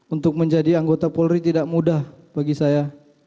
untuk menjadi anggota polri tidak mudah bagi saya